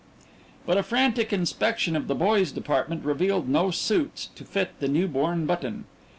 But a frantic inspection of the boys' department revealed no suits to fit the new born Button.